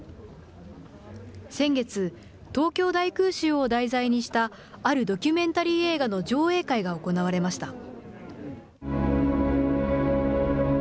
先月、東京大空襲を題材にしたあるドキュメンタリー映画の上映会が行われました。